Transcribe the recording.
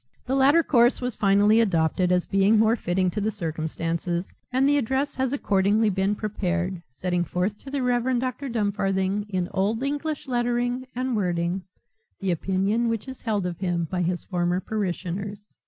The latter course was finally adopted as being more fitting to the circumstances and the address has accordingly been prepared, setting forth to the Rev. Dr. Dumfarthing, in old English lettering and wording, the opinion which is held of him by his former parishioners."